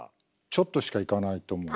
ちょっとしか行かないと思う。